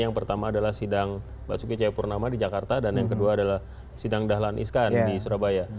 yang pertama adalah sidang basuki cahayapurnama di jakarta dan yang kedua adalah sidang dahlan iskan di surabaya